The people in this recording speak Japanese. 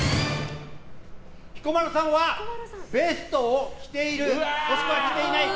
彦摩呂さんはベストを着ている、着ていない。